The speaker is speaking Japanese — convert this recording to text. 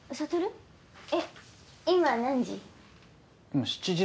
えっ今何時？